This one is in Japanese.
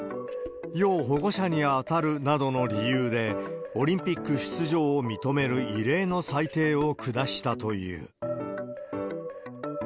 要保護者に当たるなどの理由で、オリンピック出場を認める異例の裁定を下したという。